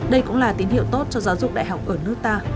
đây cũng là tín hiệu tốt cho giáo dục đại học ở nước ta